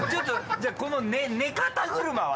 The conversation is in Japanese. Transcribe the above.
じゃあこの寝肩車は？